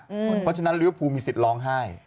เพราะฉะนั้นลิเวอร์พูมีสิทธิ์ร้องไห้